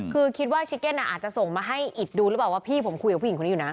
คือคิดว่าชิเก็นอาจจะส่งมาให้อิดดูหรือเปล่าว่าพี่ผมคุยกับผู้หญิงคนนี้อยู่นะ